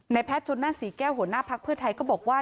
แพทย์ชนนั่นศรีแก้วหัวหน้าภักดิ์เพื่อไทยก็บอกว่า